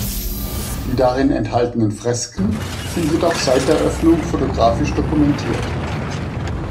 Die darin enthaltenen Fresken sind jedoch seit der Öffnung fotografisch dokumentiert.